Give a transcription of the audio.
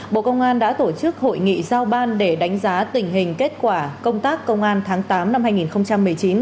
bộ công an đã tổ chức hội nghị giao ban để đánh giá tình hình kết quả công tác công an tháng tám năm hai nghìn một mươi chín